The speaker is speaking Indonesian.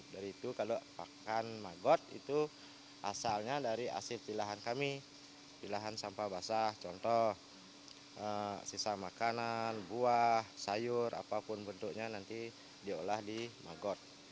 dari itu kalau pakan magot itu asalnya dari hasil pilihan kami pilihan sampah basah contoh sisa makanan buah sayur apapun bentuknya nanti diolah di magot